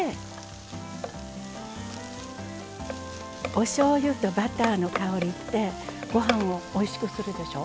おしょうゆとバターの香りってご飯もおいしくするでしょ。